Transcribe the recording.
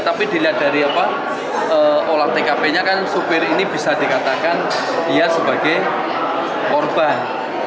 tapi dilihat dari olah tkp nya kan supir ini bisa dikatakan dia sebagai korban